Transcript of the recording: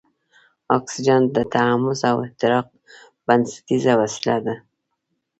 اکسیجن د تحمض او احتراق بنسټیزه وسیله ده.